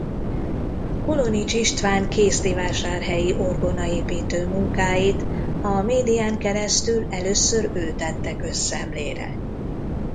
Kolonics István kézdivásárhelyi orgonaépítő munkáit a médián keresztül először ő tette közszemlére.